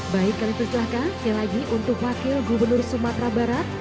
baik kami persilahkan sekali lagi untuk wakil gubernur sumatera barat